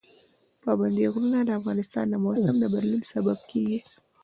پابندي غرونه د افغانستان د موسم د بدلون سبب کېږي.